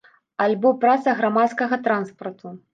Альбо праца грамадскага транспарту.